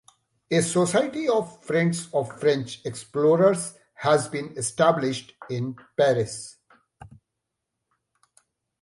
A Society of Friends of French Explorers has been established in Paris.